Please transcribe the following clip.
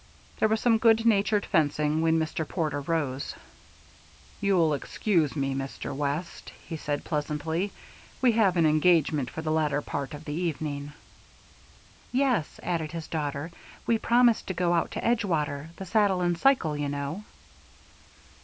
There was some good natured fencing, then Mr. Porter rose. "You'll excuse us, Mr. West," he said pleasantly. "We have an engagement for the latter part of the evening." "Yes," added his daughter, "we promised to go out to Edgewater the Saddle and Cycle, you know."